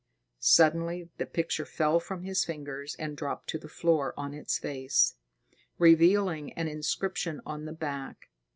Suddenly the picture fell from his fingers and dropped to the floor on its face, revealing an inscription on the back.